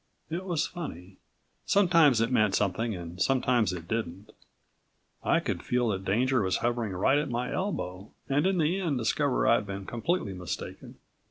It was funny. Sometimes it meant something and sometimes it didn't. I could feel that danger was hovering right at my elbow and in the end discover I'd been completely mistaken.